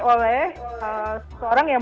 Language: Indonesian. oleh seorang yang